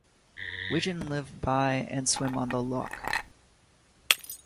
Wigeon live by and swim on the loch.